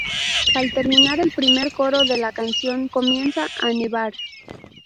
Al terminar el primer coro de la canción, comienza a nevar.